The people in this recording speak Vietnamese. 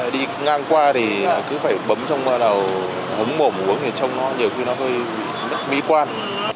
đi ngang qua thì cứ phải bấm trong bơ nào hấm mổm uống thì trông nó nhiều khi nó hơi mỹ quan